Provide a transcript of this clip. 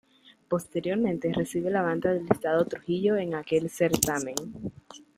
Posteriormente, recibe la banda del estado Trujillo en aquel certamen.